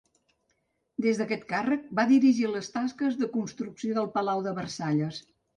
Des d'aquest càrrec, va dirigir les tasques de construcció del Palau de Versalles.